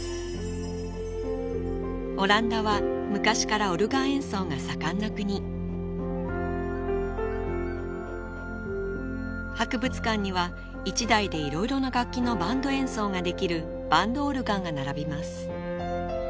オランダは昔からオルガン演奏が盛んな国博物館には１台でいろいろな楽器のバンド演奏ができるバンドオルガンが並びます